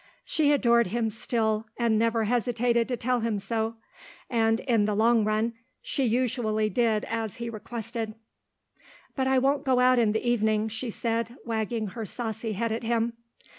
She adored him still, and never hesitated to tell him so, and in the long run, she usually did as he requested. "But I won't go out in the evening," she said wagging her saucy head at him.